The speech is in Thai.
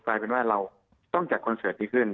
กลายเป็นว่าเราต้องจัดคอนเสิร์ตดีขึ้น